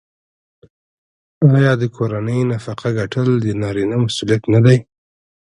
آیا د کورنۍ نفقه ګټل د نارینه مسوولیت نه دی؟